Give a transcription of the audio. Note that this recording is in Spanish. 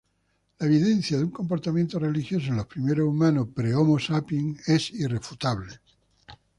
La evidencia de un comportamiento religioso en los primeros humanos pre-"Homo sapiens" es irrefutable.